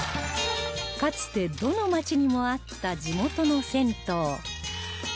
かつてどの町にもあった地元の銭湯